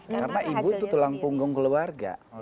karena ibu itu tulang punggung keluarga